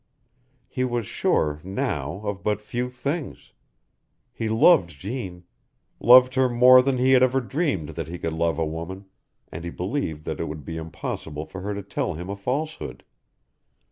He was sure now of but few things. He loved Jeanne loved her more than he had ever dreamed that he could love a woman, and he believed that it would be impossible for her to tell him a falsehood.